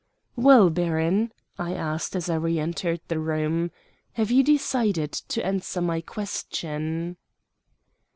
"Well, baron?" I asked as I re entered the room. "Have you decided to answer my question?"